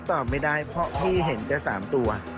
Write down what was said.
ตอบไม่ได้เพราะพี่เห็นแค่๓ตัว